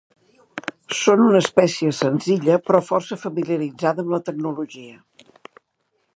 Són una espècie senzilla, però força familiaritzada amb la tecnologia.